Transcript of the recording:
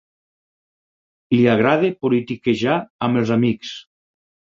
Li agrada politiquejar amb els amics.